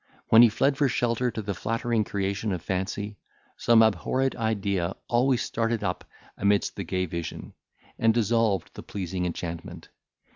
When he fled for shelter to the flattering creation of fancy, some abhorred idea always started up amidst the gay vision, and dissolved the pleasing enchantment.